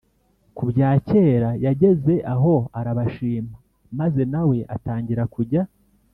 ku bya kera, yageze aho arabashima, maze na we atangira kujya